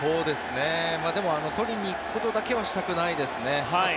でも取りに行くことだけはしたくないですね。